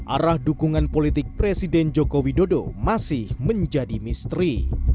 arah dukungan politik presiden jokowi dodo masih menjadi misteri